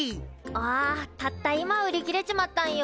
あたった今売り切れちまったんよ。